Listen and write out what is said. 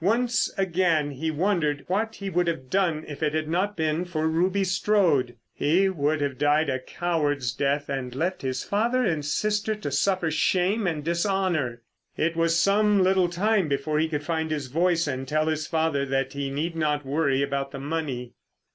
Once again he wondered what he would have done if it had not been for Ruby Strode. He would have died a coward's death and left his father and sister to suffer shame and dishonour. It was some little time before he could find his voice and tell his father that he need not worry about the money.